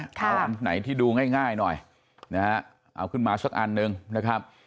เอาอันไหนที่ดูง่ายหน่อยนะฮะเอาขึ้นมาสักอันหนึ่งนะครับ